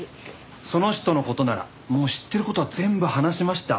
その人の事ならもう知ってる事は全部話しました。